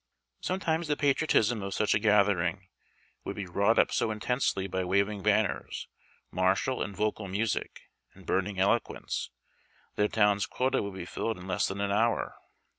Sometimes the patriotism of such a gathering would be wrought up so intensely by waving banners, martial and vocal music, and burning eloquence, that a town's quota Avould be filled in less than an hour.